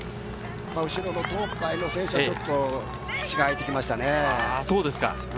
後ろの東海の選手はちょっと位置が開いてきましたね。